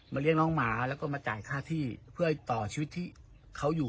เลี้ยงน้องหมาแล้วก็มาจ่ายค่าที่เพื่อต่อชีวิตที่เขาอยู่